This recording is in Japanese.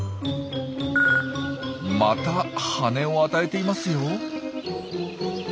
また羽根を与えていますよ。